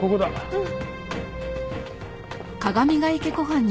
うん。